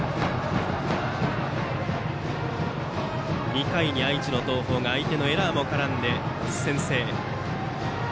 ２回に愛知の東邦が相手のエラーも絡んで先制。